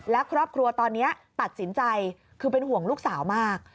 และครอบครัวตอนนี้ตัดสินใจคือเป็นห่วงลูกสาวมาก